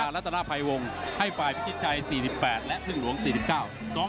และตราภัยวงให้ปลายภิกษชัย๔๘และพึ่งหลวง๔๙